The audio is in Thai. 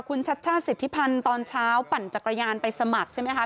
คุณชัชชาติสิทธิพันธ์ตอนเช้าปั่นจักรยานไปสมัครใช่ไหมคะ